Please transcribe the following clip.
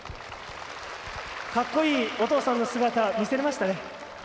かっこいいお父さんの姿見せられましたね。